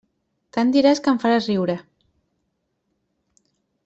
Tant diràs que em faràs riure.